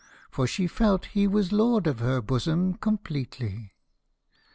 For she felt he was lord of her bosom completely.